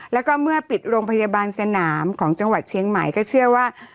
แล้วก็เมื่อปิดโรงพยาบาลสนามของจังหวัดเชียงใหม่ก็เชื่อว่า